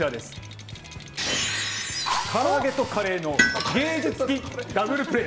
唐揚げとカレーの芸術的ダブルプレー。